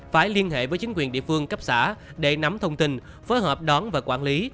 phải liên hệ với chính quyền địa phương cấp xã để nắm thông tin phối hợp đón và quản lý